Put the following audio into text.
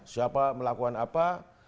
siapa melakukan apa